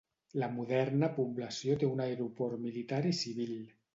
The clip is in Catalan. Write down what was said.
La moderna població té un aeroport militar i civil.